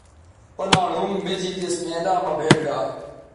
او ناڑ ھم بیزی تس میداں مہ بھیٹ گا